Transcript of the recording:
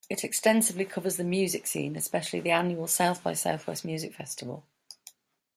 It extensively covers the music scene, especially the annual South by Southwest Music Festival.